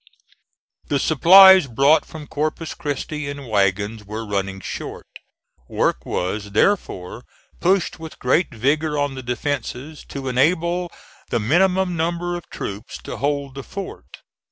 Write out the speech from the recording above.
The supplies brought from Corpus Christi in wagons were running short. Work was therefore pushed with great vigor on the defences, to enable the minimum number of troops to hold the fort.